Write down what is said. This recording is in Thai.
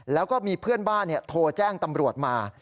แล้วก็มีเพื่อนบ้านโทรแจ้งตำรวจมา